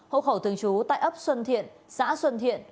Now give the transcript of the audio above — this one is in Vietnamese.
hộ khẩu thường trú tại ấp xuân thiện xã xuân thiện